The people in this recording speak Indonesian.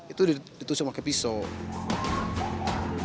itu ditusuk pakai pisau